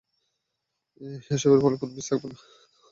এসব ফলের কোনও বীজ থাকে না।